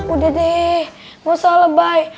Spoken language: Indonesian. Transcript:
udah deh gak usah lebay